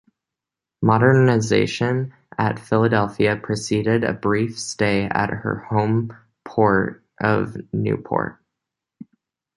Modernization at Philadelphia preceded a brief stay at her homeport of Newport.